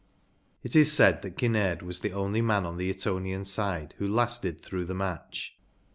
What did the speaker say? It is said that Kinnaird was the only man on the Etonian side who lasted through the match.